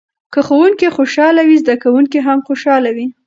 که ښوونکی خوشحاله وي زده کوونکي هم خوشحاله وي.